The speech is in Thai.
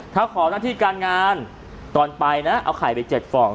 ถ้าขอหน้าที่การงานตอนไปนะเอาไข่ไป๗ฟอง